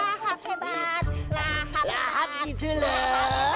rahat rahat rahat gitu loh